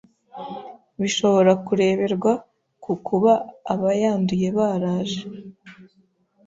bishobora kureberwa ku kuba abayanduye baraje